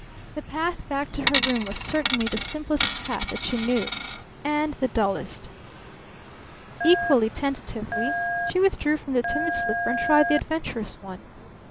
The path back to her room was certainly the simplest path that she knew and the dullest. Equally tentatively she withdrew from the timid slipper and tried the adventurous one.